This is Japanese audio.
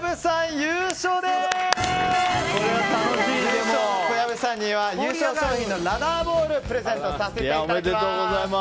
優勝者の小籔さんには優勝賞品にラダーボールをプレゼントさせていただきます。